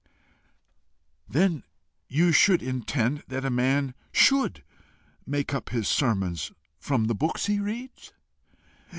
"Then do you intend that a man SHOULD make up his sermons from the books he reads?"